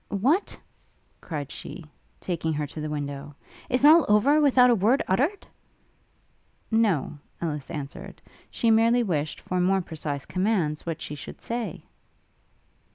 'What!' cried she, taking her to the window, 'is all over, without a word uttered?' No; Ellis answered; she merely wished for more precise commands what she should say.